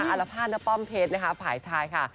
อารพาทณป้อมเพชรผ่ายชายค่ะ